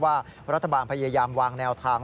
ว่ารัฐบาลพยายามวางแนวทาง